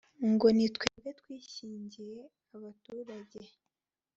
ngo ni twebwe twishingiye abaturage